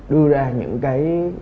đưa ra những cái